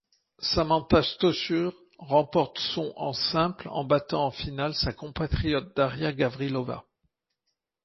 Samantha Stosur remporte son en simple en battant en finale sa compatriote Daria Gavrilova.